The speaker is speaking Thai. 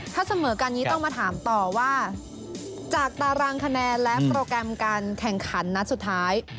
ถ้าเสมอกันนี้ต้องมาถามต่อว่าจากตารางคะแนนและโปรแกรมการแข่งขันนัดสุดท้าย